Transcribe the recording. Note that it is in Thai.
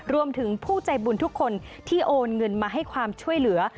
ผู้ใจบุญทุกคนที่โอนเงินมาให้ความช่วยเหลือ